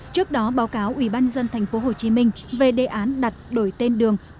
trước đó báo cáo ubnd tp hcm về đề án đặt đổi tên đường